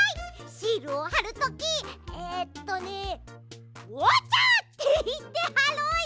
シールをはるときえっとね「オッチョ」っていってはろうよ。